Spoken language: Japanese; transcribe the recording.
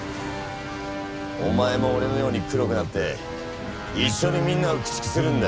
お前も俺のように黒くなって一緒にみんなを駆逐するんだ。